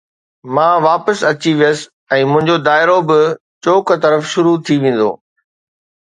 مان واپس اچي ويس ۽ منهنجو دائرو به چوڪ طرف شروع ٿي ويندو